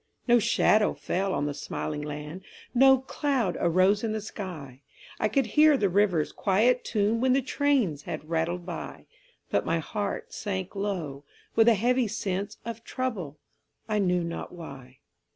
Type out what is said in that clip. No shadow fell on the smiling land, No cloud arose in the sky; I could hear the river's quiet tune When the trains had rattled by; But my heart sank low with a heavy sense Of trouble, I knew not why.